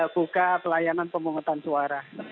buka pelayanan pemungutan suara